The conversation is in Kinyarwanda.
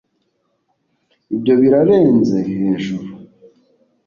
ibyo birarenze hejuru